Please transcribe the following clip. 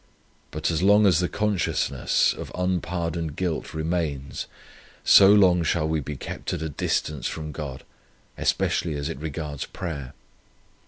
But as long as the consciousness of unpardoned guilt remains, so long shall we be kept at a distance from God, especially as it regards prayer.